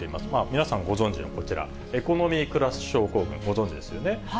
皆さんご存じのこちら、エコノミークラス症候群、ご存じですよね。